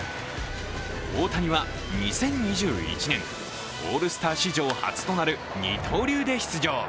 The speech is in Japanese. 大谷は２０２１年、オールスター史上初となる二刀流で出場。